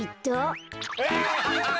アハハハハ！